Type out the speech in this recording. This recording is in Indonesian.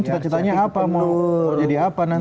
biar jadi dokter